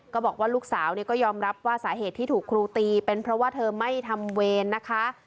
ก็บอกว่าลูกสาวก็ยอมรับว่าสาเหตุที่ถูกครูตีเป็นเพราะว่าเธอไม่ทำเวรนะคะ